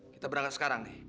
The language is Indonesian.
kita berangkat sekarang nih